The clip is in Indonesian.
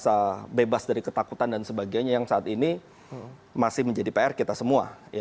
soal juga rasa aman rasa bebas dari ketakutan dan sebagainya yang saat ini masih menjadi pr kita semua